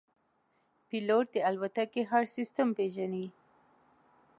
پیلوټ د الوتکې هر سیستم پېژني.